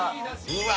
うわ